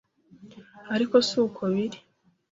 ariko si uko biri